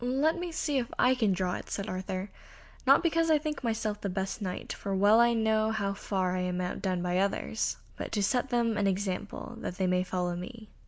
"Let me see if I can draw it," said Arthur, "not because I think myself the best Knight, for well I know how far I am outdone by others, but to set them an example that they may follow me."